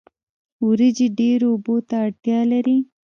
وریجې ډیرو اوبو ته اړتیا لري